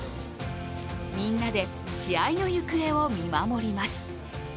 みんなで試合の行方を見守ります。